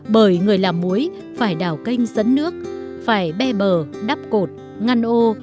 bởi người làm muối phải đảo canh dẫn nước phải bê bờ đắp cột ngăn ô